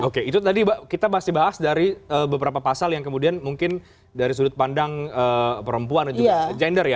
oke itu tadi kita masih bahas dari beberapa pasal yang kemudian mungkin dari sudut pandang perempuan dan juga gender ya